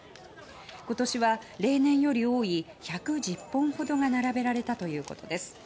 今年は例年より多い１１０本ほどが並べられたということです。